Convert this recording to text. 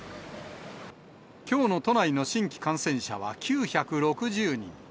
きょうの都内の新規感染者は９６０人。